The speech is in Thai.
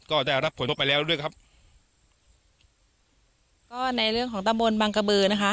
ก็ได้รับผลกระทบไปแล้วด้วยครับก็ในเรื่องของตำบลบังกระบือนะคะ